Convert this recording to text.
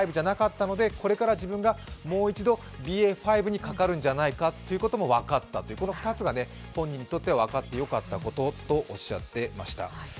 これから自分がもう一度ＢＡ．５にかかるんじゃないかということも分かったという、この２つが本人にとってわかってよかったこととおっしゃっていました。